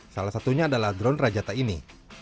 salah satunya adalah drone rajata ini